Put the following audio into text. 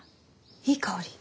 いい香り？